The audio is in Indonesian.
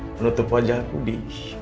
penutup wajah aku di